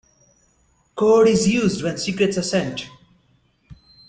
Code is used when secrets are sent.